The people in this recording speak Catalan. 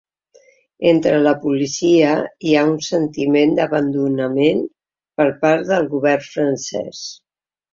Entre la policia hi ha un sentiment d’abandonament per part del govern francès.